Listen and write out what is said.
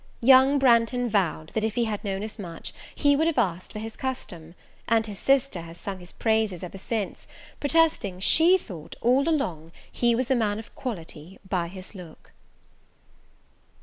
Young Branghton vowed, that if he had known as much, he would have asked for his custom: and his sister has sung his praises ever since, protesting she thought all along he was a man of quality by his look.